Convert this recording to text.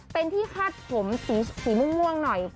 เป็นที่คาดผมสีม่วงหน่อย